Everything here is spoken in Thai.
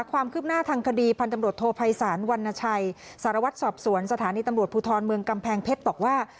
ความคืบหน้าทางคดีพันธบรวจโทภัยศาลวรรณชัยสารวัตรสอบสวนสถานีตำรวจภูทรเมืองกำแพงเพชรบอกว่า